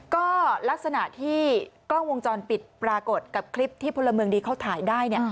ก็ลักษณะที่กล้องวงจรปิดปรากฏกับคลิปที่พลเมืองดีเขาถ่ายได้